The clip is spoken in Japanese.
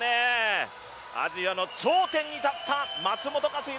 アジアの頂点に立った松元克央。